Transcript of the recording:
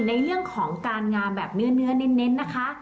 ในเรื่องของการงามแบบเนื้อเน้นนะคะ